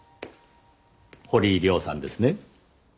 堀井亮さんですね？